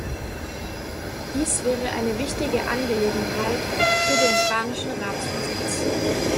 Dies wäre eine wichtige Angelegenheit für den spanischen Ratsvorsitz.